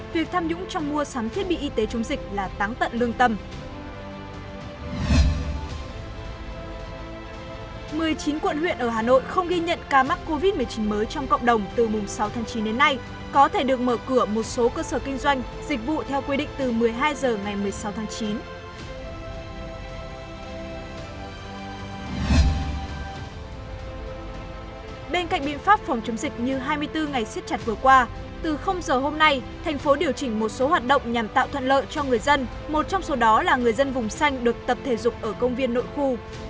bên cạnh biện pháp phòng chống dịch như hai mươi bốn ngày siết chặt vừa qua từ giờ hôm nay thành phố điều chỉnh một số hoạt động nhằm tạo thuận lợi cho người dân một trong số đó là người dân vùng xanh được tập thể dục ở công viên nội khu